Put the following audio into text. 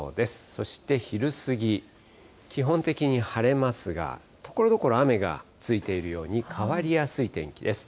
そして昼過ぎ、基本的に晴れますが、ところどころ雨がついているように、変わりやすい天気です。